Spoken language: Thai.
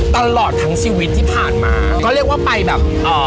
ตลอดทั้งชีวิตที่ผ่านมาก็เรียกว่าไปแบบเอ่อ